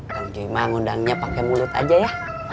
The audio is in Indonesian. kang cuyimang undangannya pakai mulut aja ya